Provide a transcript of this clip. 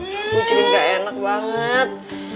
gue jadi gak enak banget